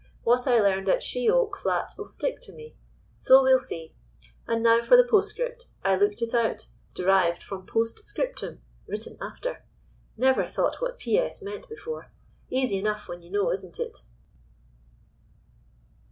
What I learned at She oak Flat'll stick to me. So we'll see. And now for the postscript. I looked it out—derived from post scriptum (written after). Never thought what 'P.S.' meant before. Easy enough when you know, isn't it?